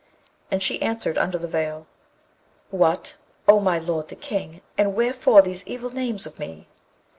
And she answered under the veil, 'What, O my lord the King! and wherefore these evil names of me?'